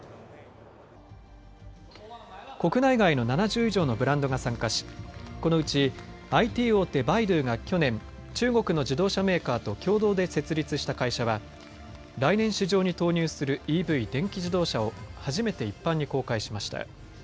国内外の７０以上のブランドが参加しこのうち、ＩＴ大手百度が去年中国の自動車メーカーと共同で設立した会社は来年、市場に投入するＥＶ、電気自動車を初めて一般に公開しました。